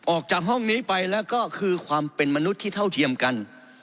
ออกจากห้องนี้ไปแล้วก็คือความเป็นมนุษย์ที่เท่าเทียมกัน